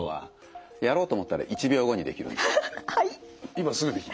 今すぐできる。